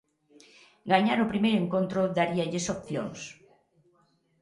Gañar o primeiro encontro daríalles opcións.